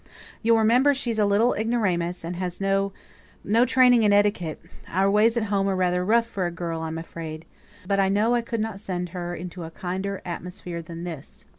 You'll remember she is a little ignoramus, and has had no ... training in etiquette; our ways at home are rather rough for a girl, I'm afraid. But I know I could not send her into a kinder atmosphere than this."